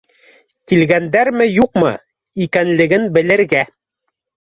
Килгәндәрме-юҡмы икәнлеген белергә